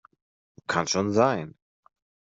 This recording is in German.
Kann schon sein.